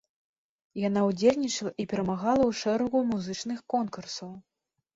Яна ўдзельнічала і перамагала ў шэрагу музычных конкурсаў.